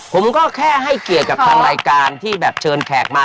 ผมก็แค่ให้เกียรติกับทางรายการที่แบบเชิญแขกมา